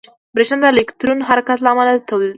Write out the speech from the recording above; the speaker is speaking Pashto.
برېښنا د الکترون حرکت له امله تولیدېږي.